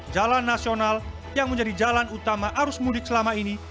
jalan nasional yang menjadi jalan utama arus mudik selama ini